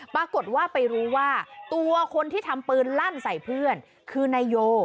ปรากฏว่าไปรู้ว่าตัวคนที่ทำปืนลั่นใส่เพื่อนคือนายโย